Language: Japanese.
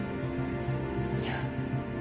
いや。